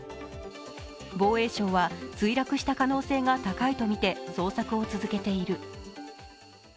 防衛省は、墜落した可能性が高いとみて捜索を続けている。